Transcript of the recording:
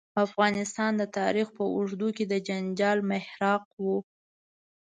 افغانستان د تاریخ په اوږدو کې د جنجال محراق و.